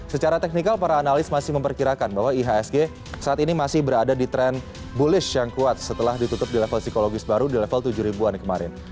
secara teknikal para analis masih memperkirakan bahwa ihsg saat ini masih berada di tren bullish yang kuat setelah ditutup di level psikologis baru di level tujuh ribu an kemarin